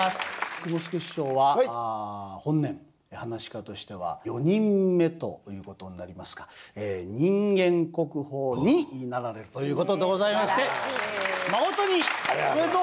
雲助師匠は本年噺家としては４人目ということになりますか人間国宝になられるということでございましてまことにおめでとうございます！